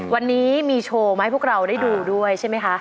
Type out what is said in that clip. วันนี้มีโชว์มาให้พวกเราได้ดูด้วยใช่ไหมคะ